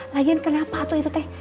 lagian kenapa atau itu teh